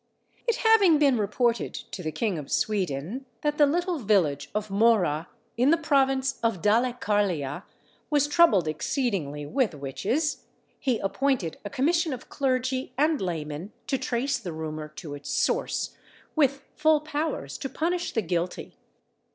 It having been reported to the king of Sweden that the little village of Mohra, in the province of Dalecarlia, was troubled exceedingly with witches, he appointed a commission of clergy and laymen to trace the rumour to its source, with full powers to punish the guilty.